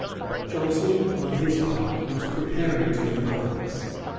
Johnson on his part was preparing to advance.